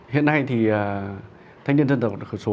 hiện nay thì thanh niên dân tộc thiểu số